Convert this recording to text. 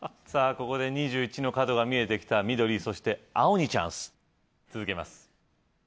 ここで２１の角が見えてきた緑そして青にチャンス続けます